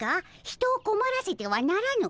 人をこまらせてはならぬ。